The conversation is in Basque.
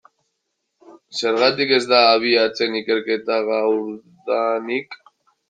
Zergatik ez da abiatzen ikerketa gaurdanik?